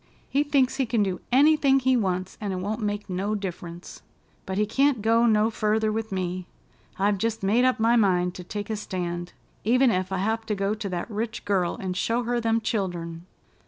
He thinks he can do anything he wants, and it won't make no diff'runce. But he can't go no further with me. I've jest made up my mind to take a stand, even ef I have to go to that rich girl and show her them childern."